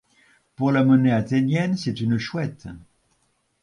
Pour la monnaie athénienne, c'est une chouette.